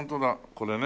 これね。